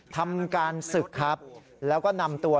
ทำการศึกครับแล้วก็นำตัว